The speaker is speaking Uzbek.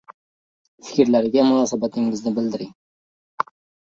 Fikrlariga munosabatingizni bildiring.